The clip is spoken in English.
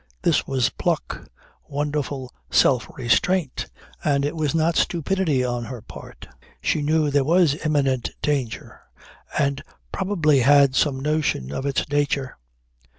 This was pluck. Wonderful self restraint. And it was not stupidity on her part. She knew there was imminent danger and probably had some notion of its nature.